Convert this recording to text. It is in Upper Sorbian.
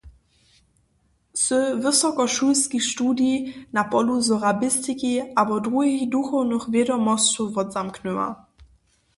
Sy wysokošulski studij na polu sorabistiki abo druhich duchownych wědomosćow wotzamknyła.